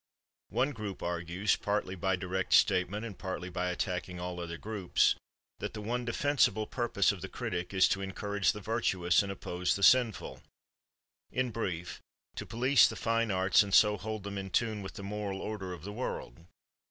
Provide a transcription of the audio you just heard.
One group argues, partly by direct statement and partly by attacking all other groups, that the one defensible purpose of the critic is to encourage the virtuous and oppose the sinful—in brief, to police the fine arts and so hold them in tune with the moral order of the world.